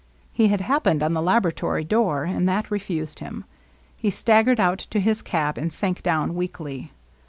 He had happened on the labora tory door, and that refused him. He staggered out to his cab, and sank down weakly.